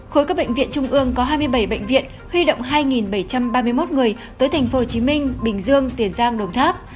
khối các bệnh viện trung ương có hai mươi bảy bệnh viện huy động hai bảy trăm ba mươi một người tới tp hcm bình dương tiền giang đồng tháp